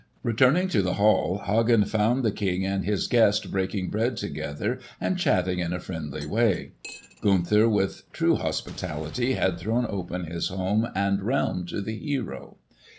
Returning to the hall, Hagen found the King and his guest breaking bread together and chatting in a friendly way. Gunther with true hospitality had thrown open his home and realm to the hero.